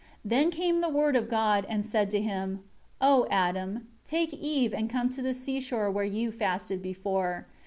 7 Then came the Word of God and said to him, "O Adam, take Eve and come to the seashore where you fasted before.